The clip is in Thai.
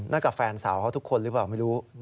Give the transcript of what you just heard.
นั่นกับแฟนสาวเขาทุกคนหรือว่าไม่รู้